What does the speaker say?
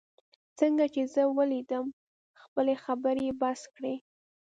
څنګه چي یې زه ولیدم، خپلې خبرې یې بس کړې.